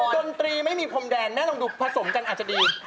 ดนตรีไม่มีภูมิแดนแม่ลองดูผสมจนอาจจะดี